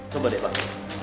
coba deh pak